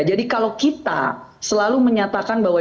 jadi kalau kita selalu menyatakan bahwa